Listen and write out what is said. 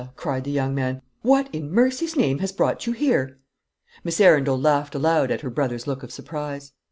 cried the young man, "what, in mercy's name, has brought you here?" Miss Arundel laughed aloud at her brother's look of surprise.